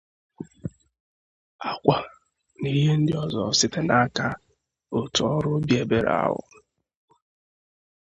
ákwà na ihe ndị ọzọ site n'aka òtù ọrụ obiebere ahụ